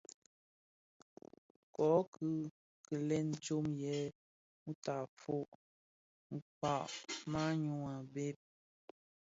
Kōki kilènga tsom yè mutafog kpag manyu a bhëg.